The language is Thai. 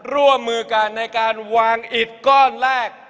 ร่วมมือกันในการวางอิดก้อนแรก